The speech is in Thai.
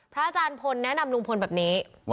อาจารย์พลแนะนำลุงพลแบบนี้